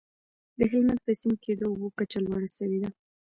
د هلمند په سیند کي د اوبو کچه لوړه سوې ده.